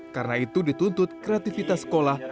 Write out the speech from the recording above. karena itu dituntut kreativitas sekolah